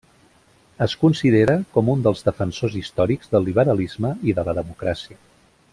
Es considera com un dels defensors històrics del liberalisme i de la democràcia.